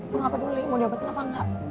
lo nggak peduli mau diobatin apa nggak